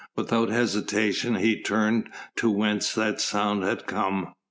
Without hesitation he turned to whence that sound had come.